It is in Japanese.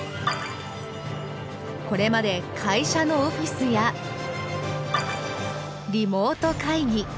これまで会社のオフィスやリモート会議